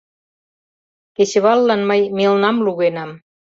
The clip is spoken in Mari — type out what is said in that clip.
Кечываллан мый мелнам лугенам.